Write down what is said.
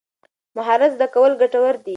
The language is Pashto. مهارت زده کول ګټور دي.